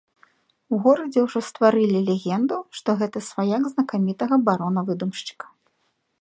У горадзе ўжо стварылі легенду, што гэта сваяк знакамітага барона-выдумшчыка.